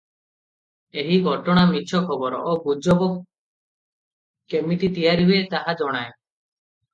ଏହି ଘଟଣା ମିଛ ଖବର ଓ ଗୁଜବ କେମିତି ତିଆରି ହୁଏ ତାହା ଜଣାଏ ।